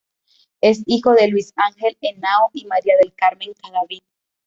Es hijo de Luis Ángel Henao y María del Carmen Cadavid.